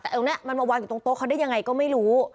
แต่ตรงนี้มันมาวางอยู่ตรงโต๊ะเขาได้ยังไงก็ไม่รู้